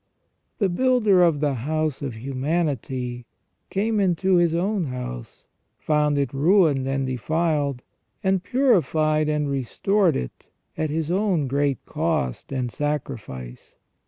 The builder of the house of humanity came into His own house, found it ruined and defiled, and purified and restored it at His own great cost and sacrifice.